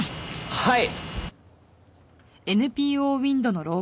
はい！